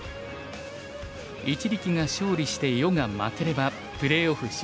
一力が勝利して余が負ければプレーオフ進出。